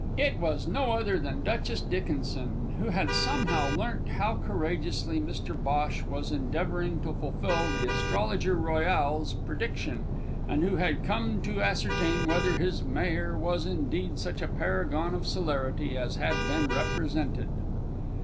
It was no other than Duchess Dickinson, who had somehow learnt how courageously Mr Bhosh was endeavouring to fulfil the Astrologer Royal's prediction, and who had come to ascertain whether his mare was indeed such a paragon of celerity as had been represented.